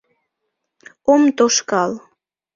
Ом тошкал!